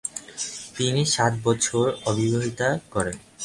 তিনি সাত বছর অতিবাহিত করেন।